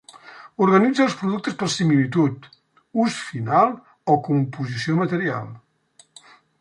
Organitza els productes per similitud, ús final o composició material.